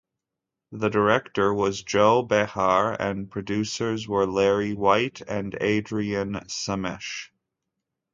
The director was Joe Behar, and producers were Larry White and later Adrian Samish.